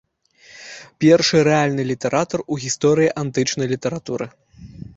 Першы рэальны літаратар у гісторыі антычнай літаратуры.